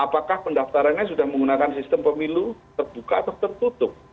apakah pendaftarannya sudah menggunakan sistem pemilu terbuka atau tertutup